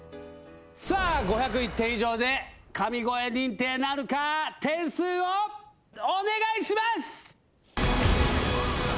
さあ、５０１点以上で神声認定なるか、点数をお願いします。